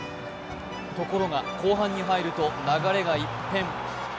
ところが、後半に入ると流れが一変。